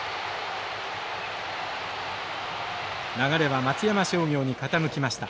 流れは松山商業に傾きました。